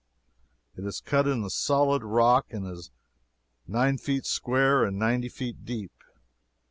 It is cut in the solid rock, and is nine feet square and ninety feet deep.